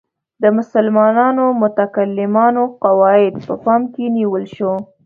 د مسلمانو متکلمانو قواعد په پام کې نیول شو.